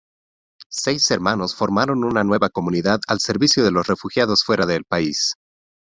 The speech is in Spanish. Seis hermanos formaron una nueva comunidad al servicio de los refugiados fuera del país.